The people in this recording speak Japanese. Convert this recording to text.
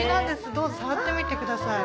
どうぞ触ってみてください。